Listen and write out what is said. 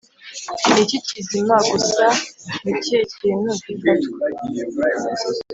niki kizima gusa, nikihe kintu gifatwa,